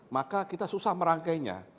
maka kita susah merangkainya